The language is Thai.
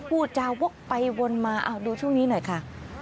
พูดจาวกไปวนมาดูช่วงนี้หน่อยค่ะ